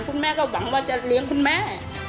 คุณแม่ก็หวังว่าจะเลี้ยงคุณแม่